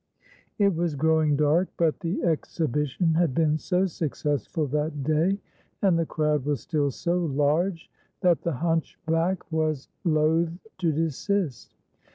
It was growing dark, but the exhibition had been so successful that day, and the crowd was still so large, that the hunchback was loath to desist.